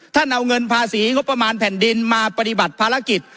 เอาเงินภาษีงบประมาณแผ่นดินมาปฏิบัติภารกิจ